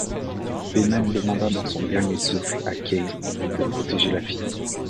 Behmen demande dans son dernier souffle à Kay de protéger la fille.